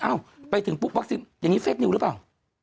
ไปถึงปุ๊บวัคซีนอย่างนี้เฟคนิวหรือเปล่า